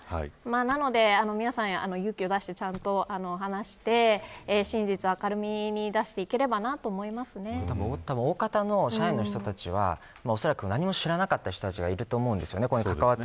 なので、皆さん勇気を出してちゃんと話して真実を明るみに出していければおおかたの社員の人たちはおそらく何も知らなかった人たちがいると思うんです。